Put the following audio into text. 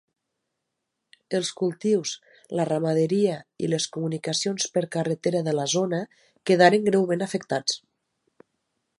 Els cultius, la ramaderia i les comunicacions per carretera de la zona quedaren greument afectats.